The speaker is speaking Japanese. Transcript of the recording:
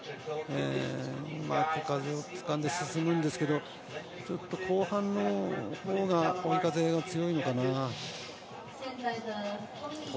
うまく風をつかんで進むんですけど後半のほうが追い風強いのかな。